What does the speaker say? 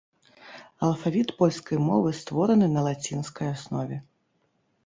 Алфавіт польскай мовы створаны на лацінскай аснове.